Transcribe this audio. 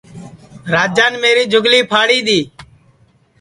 راجان میری جُھگلی پھاڑی دؔی